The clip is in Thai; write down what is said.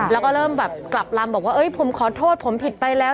แล้วก็เริ่มแบบกลับลำบอกว่าผมขอโทษผมผิดไปแล้ว